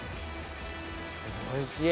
おいしい。